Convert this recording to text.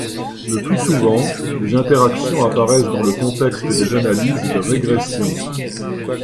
Le plus souvent, les interactions apparaissent dans le contexte des analyses de régression.